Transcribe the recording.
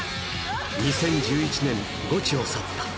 ２０１１年、ゴチを去った。